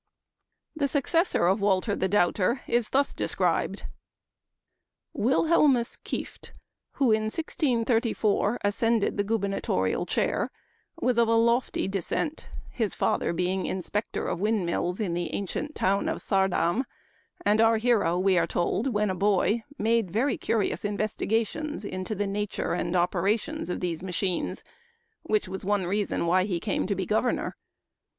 The successor of Walter the Doubter is thus described : "Wilhelmus Kieft, who, in 1634, ascended the gubernatorial chair, was of a lofty descent, his father being inspector of wind mills in the ancient town of Saardam ; and our hero, we are told, when a boy, made very curious investiga tions into the nature and operations of these machines, which was one reason why he came Memoir of Washington Irving, 61 to be Governor.